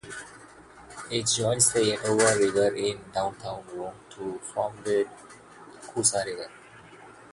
It joins the Etowah River in Downtown Rome to form the Coosa River.